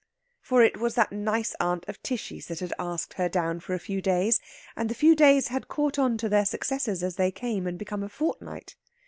For it was that nice aunt of Tishy's that had asked her down for a few days, and the few days had caught on to their successors as they came, and become a fortnight.